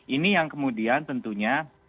ini yang kemudian tentunya